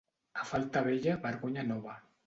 A falta vella, vergonya nova.